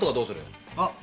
あっ。